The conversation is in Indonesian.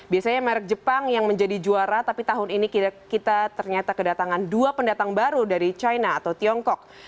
biasanya merek jepang yang menjadi juara tapi tahun ini kita ternyata kedatangan dua pendatang baru dari china atau tiongkok